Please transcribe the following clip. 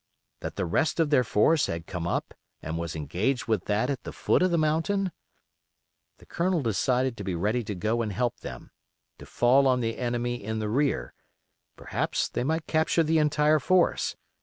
That the rest of their force had come up and was engaged with that at the foot of the mountain? The Colonel decided to be ready to go and help them; to fall on the enemy in the rear; perhaps they might capture the entire force.